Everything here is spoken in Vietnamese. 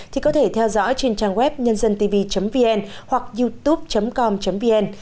thì có thể theo dõi trên trang web nhândântv vn hoặc youtube com vn